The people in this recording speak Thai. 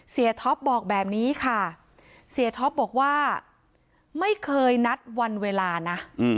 ท็อปบอกแบบนี้ค่ะเสียท็อปบอกว่าไม่เคยนัดวันเวลานะ